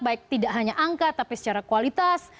baik tidak hanya angka tapi secara kualitas